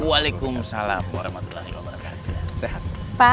waalaikumsalam warahmatullahi wabarakatuh